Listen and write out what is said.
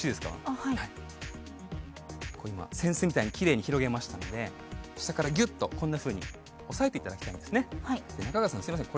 あはいこれ今扇子みたいにキレイに広げましたので下からギュッとこんなふうに押さえていただきたいんですねで中川さんすみません